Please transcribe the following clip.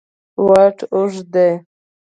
واټ اوږد دی.